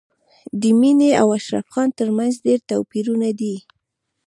د مينې او اشرف خان تر منځ ډېر توپیرونه دي